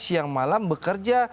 siang malam bekerja